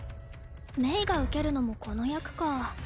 鳴が受けるのもこの役か。